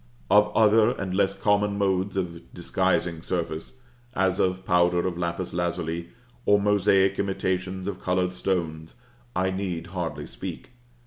Of other and less common modes of disguising surface, as of powder of lapis lazuli, or mosaic imitations of colored stones, I need hardly speak.